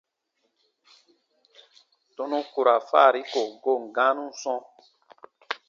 Tɔnu ku ra faari ko goon gãanun sɔ̃.